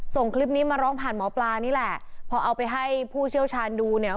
ส่งคลิปนี้มาร้องผ่านหมอปลานี่แหละพอเอาไปให้ผู้เชี่ยวชาญดูเนี่ย